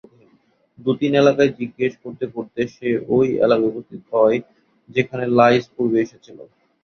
দুতিন এলাকায় জিজ্ঞেস করতে করতে সে ঐ এলাকায় উপস্থিত হয় যেখানে লাঈছ পূর্বেই এসেছিল।